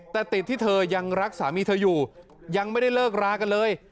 แต่ติดที่เธอยังรักสามีเธออยู่ยังไม่ได้เลิกรากันเลย